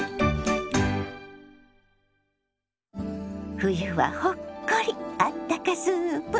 「冬はほっこりあったかスープ」。